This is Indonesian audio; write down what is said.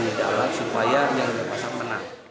pemain di dalam supaya yang dimasang menang